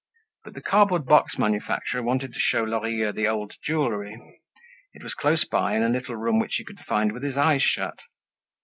But the cardboard box manufacturer wanted to show Lorilleux the old jewelry. It was close by in a little room which he could find with his eyes shut.